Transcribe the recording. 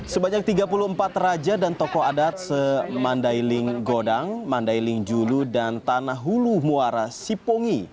sebanyak tiga puluh empat raja dan tokoh adat semandailing godang mandailing julu dan tanah hulu muara sipongi